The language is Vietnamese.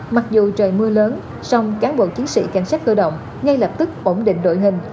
mặc dù trời mưa lớn song cán bộ chiến sĩ cảnh sát cơ động ngay lập tức ổn định đội hình